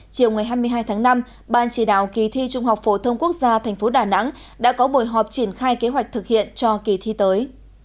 chiều ngày hai mươi hai tháng năm ban chỉ đạo kỳ thi trung học phổ thông quốc gia tp đà nẵng đã có buổi họp triển khai kế hoạch thực hiện cho kỳ thi tới